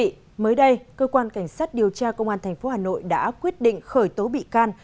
thưa quý vị mới đây cơ quan cảnh sát điều tra công an tp hà nội đã quyết định khởi tố bị can